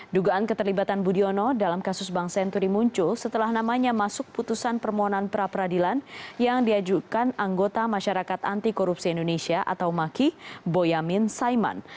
dugaan keterlibatan budiono dalam kasus bank senturi muncul setelah namanya masuk putusan permohonan pra peradilan yang diajukan anggota masyarakat anti korupsi indonesia atau maki boyamin saiman